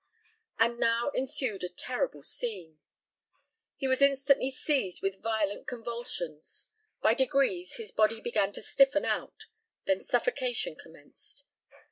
And now ensued a terrible scene. He was instantly seized with violent convulsions; by degrees his body began to stiffen out; then suffocation commenced.